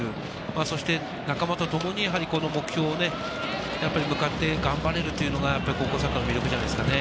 そして仲間とともにこの目標にね、向かって頑張れるというのが高校サッカーの魅力じゃないですかね。